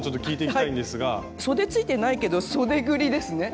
そでついてないけどそでぐりですね。